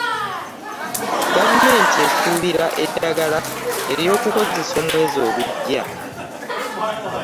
Gavumenti esuubira eddagala ery'okukozesa omwezi ogugya.